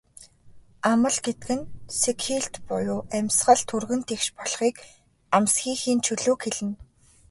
Амал гэдэг нь сэгхийлт буюу амьсгал түргэн тэгш болохыг, амсхийхийн чөлөөг хэлнэ.